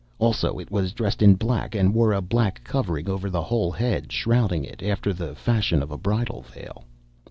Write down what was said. Also it was dressed in black and wore a black covering over the whole head, shrouding it, after the fashion of a bridal veil.